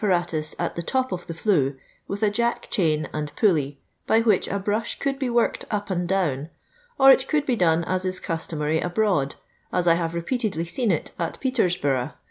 iratus . .t the top of the Hue with a jack chain and pulley, bv which a brush could be worked up and down, of it could be done as is cu&toniary abroad, as I hw repeatedly seen it at Petorsburgh.